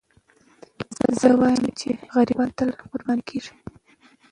زه وایم چې غریبان تل قرباني کېږي.